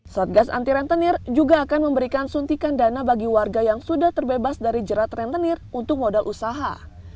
satgas anti rentenir juga akan memberikan suntikan dana bagi warga yang sudah terbebas dari jerat rentenir untuk modal usaha